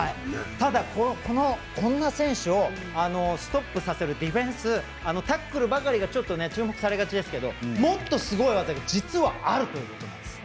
ただ、こんな選手をストップさせるディフェンスタックルばかりが注目されがちなんですけどもっとすごい技が実はあるということなんです。